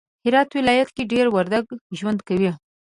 هرات ولایت کی دیر وردگ ژوند کوی